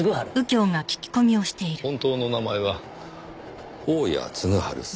本当のお名前は大屋嗣治さん。